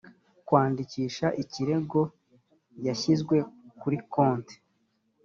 kwandikisha ikirego yashyizwe kuri konti